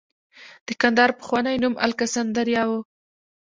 د کندهار پخوانی نوم الکسندریا و